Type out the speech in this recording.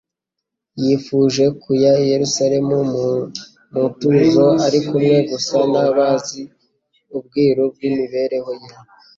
Yifuje kuya i Yerusalemu mu mu mutuzo ari kumwe gusa n'abazi ubwiru bw'imibereho ye.